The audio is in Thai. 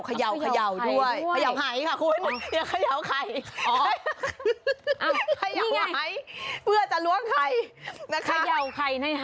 ไข่ในไข่แล้วค่อยล้วง